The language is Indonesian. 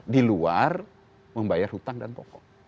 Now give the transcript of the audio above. di luar membayar hutang dan pokok